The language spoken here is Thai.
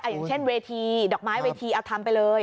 อย่างเช่นเวทีดอกไม้เวทีเอาทำไปเลย